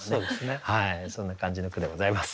そんな感じの句でございます。